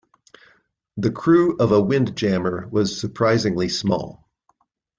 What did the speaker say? The crew of a windjammer was surprisingly small.